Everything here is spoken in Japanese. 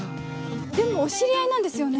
でもお知り合いなんですよね？